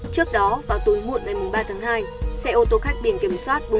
trước đó vào tối muộn ngày ba tháng hai xe ô tô khách biển kiểm soát bốn mươi bảy b năm trăm hai mươi chín